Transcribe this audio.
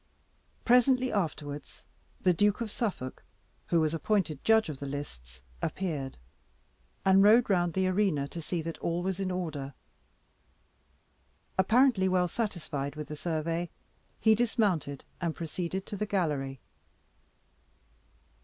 Presently afterwards, the Duke of Suffolk, who was appointed judge of the lists, appeared, and rode round the arena to see that all was in order. Apparently well satisfied with the survey, he dismounted, and proceeded to the gallery.